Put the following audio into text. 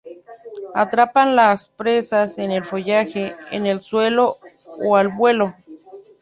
Atrapan las presas en el follaje, en el suelo o al vuelo.